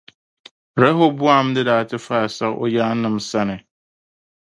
Rɛhɔbɔam ni daa ti faai siɣ’ o yaannim’ sani.